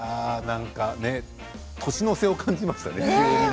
なんか、年の瀬を感じましたね。